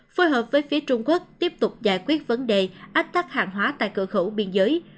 phối hợp với phía trung quốc tiếp tục giải quyết vấn đề ách tắc hàng hóa tại cửa khẩu biên giới